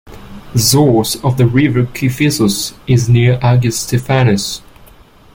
The source of the river Kifisos is near Agios Stefanos.